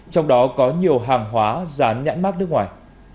trong đó có nhiều hàng hóa rán nhãn mát nước ngoài